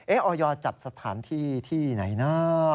เอ๊ะออยอร์จัดสถานที่ที่ไหนนะ